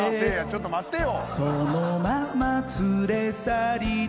ちょっと待ってよ。